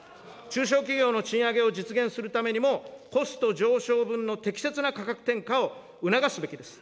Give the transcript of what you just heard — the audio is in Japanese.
中小企業の賃上げを実現するためにも、コスト上昇分の適切な価格転嫁を促すべきです。